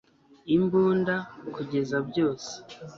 imbunda - kugeza byose